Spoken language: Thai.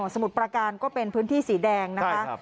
มุดประการก็เป็นพื้นที่สีแดงนะคะ